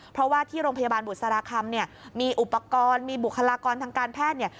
เพราะว่าที่โรงพยาบาลบุษราคำเนี่ยมีอุปกรณ์มีบุคลากรทางการแพทย์เนี่ย